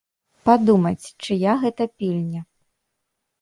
Падумаць, чыя гэта пільня.